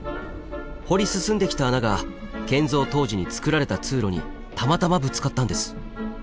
掘り進んできた穴が建造当時につくられた通路にたまたまぶつかったんです。